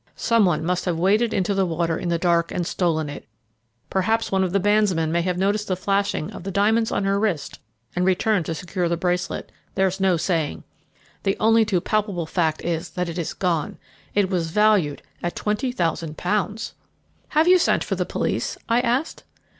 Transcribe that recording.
Some one must have waded into the water in the dark and stolen it. Perhaps one of the bandsmen may have noticed the flashing of the diamonds on her wrist and returned to secure the bracelet there's no saying. The only too palpable fact is that it is gone it was valued at twenty thousand pounds!" "Have you sent for the police?" I asked.